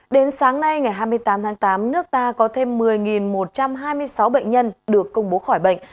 đến sáng nay ngày hai mươi tám tháng tám nước ta có thêm một mươi một trăm hai mươi sáu bệnh nhân được công bố khỏi bệnh